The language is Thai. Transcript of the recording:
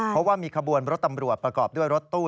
เพราะว่ามีขบวนรถตำรวจประกอบด้วยรถตู้